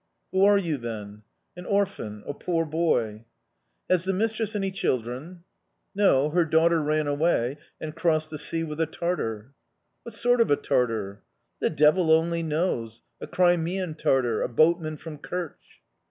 "Who are you, then?" "An orphan a poor boy." "Has the mistress any children?" "No, her daughter ran away and crossed the sea with a Tartar." "What sort of a Tartar?" "The devil only knows! A Crimean Tartar, a boatman from Kerch."